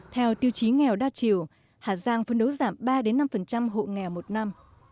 theo tiêu chí nghèo đa chiều hà giang phấn đấu giảm ba năm hộ nghèo một năm